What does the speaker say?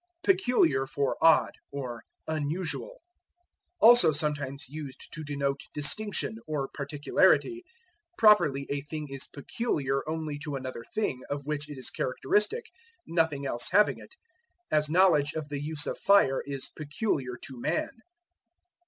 Peculiar for Odd, or Unusual. Also sometimes used to denote distinction, or particularity. Properly a thing is peculiar only to another thing, of which it is characteristic, nothing else having it; as knowledge of the use of fire is peculiar to Man.